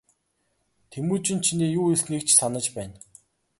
Тэмүжин чиний юу хэлснийг ч санаж байна.